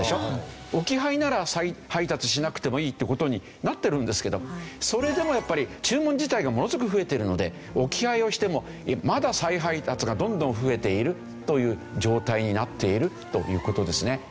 置き配なら再配達しなくてもいいという事になってるんですけどそれでもやっぱり注文自体がものすごく増えてるので置き配をしてもまだ再配達がどんどん増えているという状態になっているという事ですね。